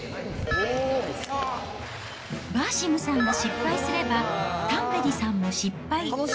バーシムさんが失敗すれば、タンベリさんも失敗。